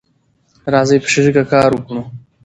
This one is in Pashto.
راځی په شریکه کار وکړو